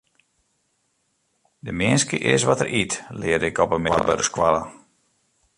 De minske is wat er yt, learde ik op 'e middelbere skoalle.